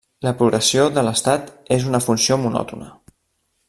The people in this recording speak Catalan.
La progressió de l'estat és una funció monòtona.